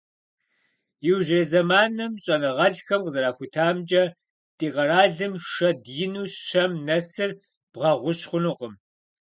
Иужьрей зэманым щӀэныгъэлӀхэм къызэрахутамкӀэ, ди къэралым шэд ину щэм нэсыр бгъэгъущ хъунукъым.